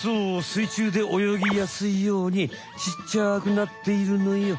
水中で泳ぎやすいようにちっちゃくなっているのよ。